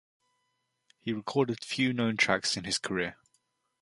He recorded few known tracks in his career.